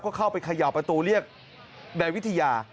ก็เข้าไปเขย่าประตูเรียกนายวิทยา